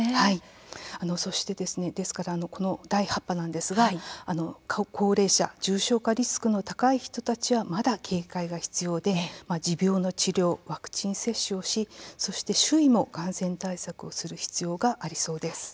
そしてですねですから、この第８波なんですが高齢者、重症化リスクの高い人たちは、まだ警戒が必要で持病の治療、ワクチン接種をしそして周囲も、感染対策をする必要がありそうです。